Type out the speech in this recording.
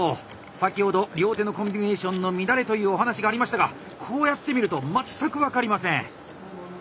先ほど両手のコンビネーションの乱れというお話がありましたがこうやってみると全く分かりません！